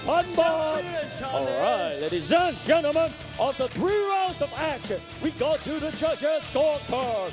คุณภาพเต็มแมนของเรือ๓เร่มต่อไปไปกับถัดเกี่ยวกับตัวโดยครับ